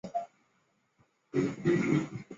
他是父亲的次子。